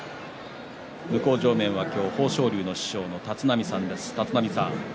向正面は今日豊昇龍の師匠の立浪さんです。